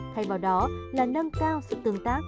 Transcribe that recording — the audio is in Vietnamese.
thay vào đó là nâng cao sự tương tác